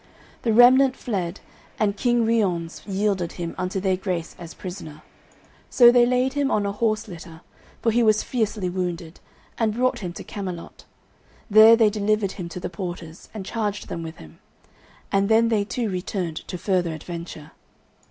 The remnant fled, and King Ryons yielded him unto their grace as prisoner. So they laid him on a horse litter, for he was fiercely wounded, and brought him to Camelot. There they delivered him to the porters and charged them with him; and then they two returned to further adventure.